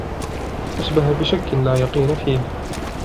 أَشْبَهَ بِشَكٍّ لَا يَقِين فِيهِ